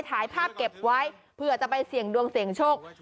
ถ่ายภาพเก็บไว้เพื่อจะไปเสี่ยงดวงเสี่ยงโชค